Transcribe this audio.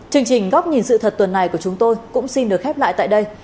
chương trình góc nhìn sự thật tuần này của chúng tôi cũng xin được khép lại tại đây